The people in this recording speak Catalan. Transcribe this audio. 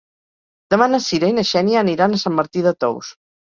Demà na Cira i na Xènia aniran a Sant Martí de Tous.